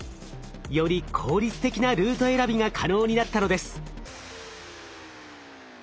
より効率的なルート選びが可能になったのです。